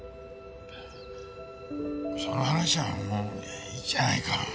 その話はもういいじゃないか。